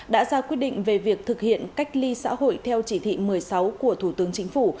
đã ra quyết định về việc thực hiện cách ly xã hội theo chỉ thị một mươi sáu của thủ tướng chính phủ